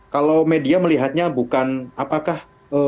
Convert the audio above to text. kalau media melihatnya bukan apakah